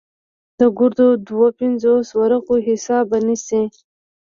د ګردو دوه پينځوس ورقو حساب به نيسې.